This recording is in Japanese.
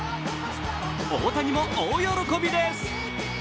大谷も大喜びです。